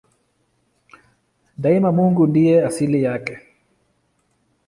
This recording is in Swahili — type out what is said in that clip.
Daima Mungu ndiye asili yake.